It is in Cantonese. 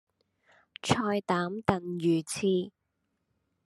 菜膽燉魚翅